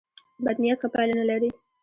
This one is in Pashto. بد نیت ښه پایله نه لري.